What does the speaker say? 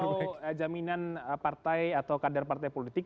kalau jaminan partai atau kadar partai politik